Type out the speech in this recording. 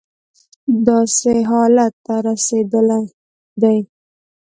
داسې حالت ته رسېدلی دی.